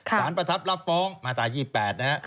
สารประทับรับฟ้องมาตราย๒๘นะครับ